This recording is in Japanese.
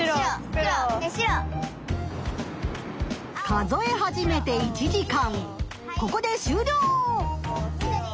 数え始めて１時間ここで終りょう！